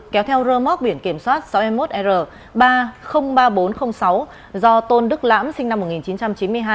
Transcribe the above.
kéo theo rơ móc biển kiểm soát sáu mươi một r ba trăm linh ba nghìn bốn trăm linh sáu do tôn đức lãm sinh năm một nghìn chín trăm chín mươi hai